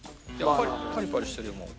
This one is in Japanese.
パリパリしてるよもう。